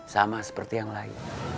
sama seperti yang lain